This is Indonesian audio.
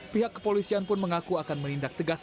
pihak kepolisian pun mengaku akan menindak tegas